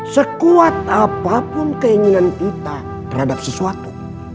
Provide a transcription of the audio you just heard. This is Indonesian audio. sekuat apapun keinginan kita terhadap sesuatu